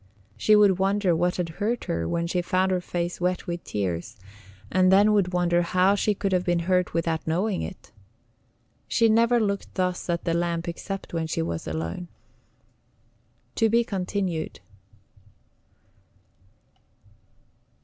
She would wonder what had hurt her when she found her face wet with tears, and then would wonder how she could have been hurt without knowing it. She never looked thus at the lamp except when she was alone. [TO BE CONTINUED.